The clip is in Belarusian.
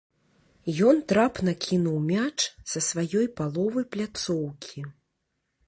Ён трапна кінуў мяч са сваёй паловы пляцоўкі.